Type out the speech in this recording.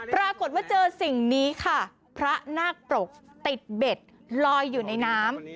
ปรากฏว่าเจอสิ่งนี้ค่ะพระนาคปรกติดเบ็ดลอยอยู่ในน้ำ